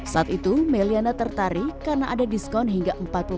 saat itu meliana tertarik karena ada diskon hingga empat puluh